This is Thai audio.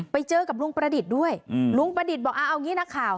ไปเจอกับลุงประดิษฐ์ด้วยลุงประดิษฐ์บอกเอางี้นักข่าว